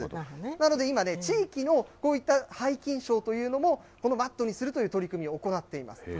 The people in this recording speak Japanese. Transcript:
なので今ね、地域の、こういったはい菌床というのも、このマットにするという取り組みを行っています。